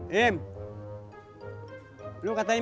ya pi udah mah